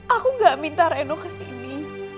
aku gak minta reno ke sini